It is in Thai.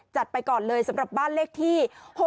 ไปก่อนเลยสำหรับบ้านเลขที่๖๖